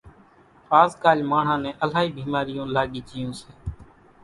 آز ڪالِ ماڻۿان نين الائِي ڀيمارِيون لاڳِي جھيوُن سي۔